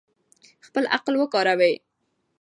خپل عقل وکاروئ.